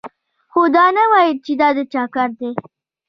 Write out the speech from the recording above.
خو دا نه وايي چې دا د چا کار دی